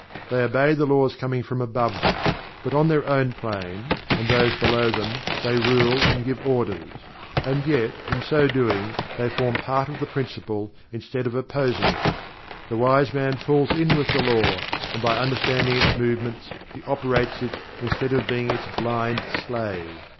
They obey the laws coming from above them, But on their own plane, and those below them they rule and give orders. And, yet, in so doing, they form a part of the Principle, instead of opposing it. The wise man falls in with the Law, and by understanding its movements he operates it instead of being its blind slave.